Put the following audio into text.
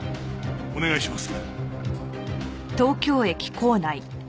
お願いします。